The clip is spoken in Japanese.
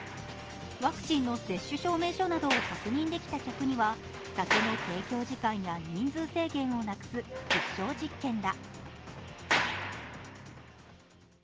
ワクチン接種の証明書などを確認できた客には、酒の提供時間や人数制限をなくす実証実験だ。